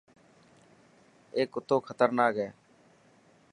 اي ڪتو خطرناڪ هي.